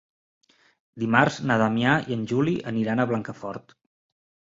Dimarts na Damià i en Juli aniran a Blancafort.